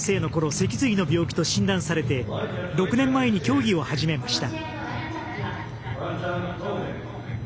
脊髄の病気と診断されて６年前に競技を始めました。